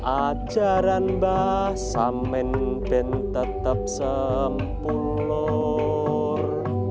ajaran bah samen men tetap sempulor